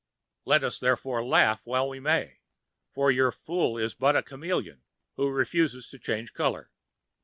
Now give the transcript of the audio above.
Let us therefore laugh while we may, for your fool is but a chameleon who refuses to change colour.